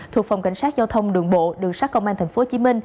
thuộc phòng cảnh sát giao thông đường bộ đường sát công an tp hcm